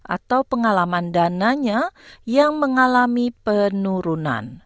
atau pengalaman dananya yang mengalami penurunan